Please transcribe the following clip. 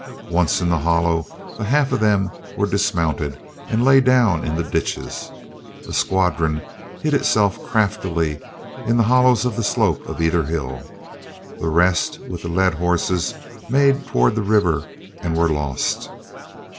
Once in the hollow the half of them were dismounted and lay down in the ditches. A squadron hid itself craftily in the hollows of the slope of either hill. The rest, with the led horses, made toward the river and were lost.